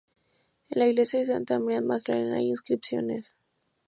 En la iglesia de Santa María Magdalena hay inscripciones.